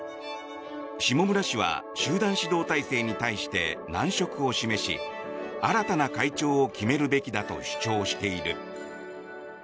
下村氏は集団指導体制に対して難色を示し新たな会長を決めるべきだと主張している。